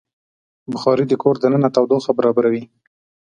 بخاري د کور دننه تودوخه برابروي.